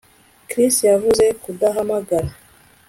Chris yavuze kudahamagara